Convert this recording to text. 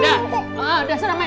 udah main main